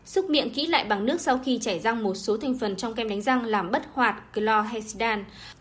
xúc miệng kỹ lại bằng nước sau khi chảy răng một số thành phần trong kem đánh răng làm bất hoạt chloresdan